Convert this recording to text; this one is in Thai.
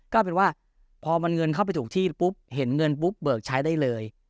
ก็เป็นว่าพอมันเงินเข้าไปถูกที่ปุ๊บเห็นเงินปุ๊บเบิกใช้ได้เลย